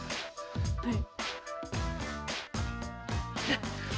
はい。